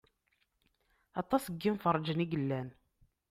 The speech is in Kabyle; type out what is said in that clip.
Aṭas n yemferrǧen i yellan.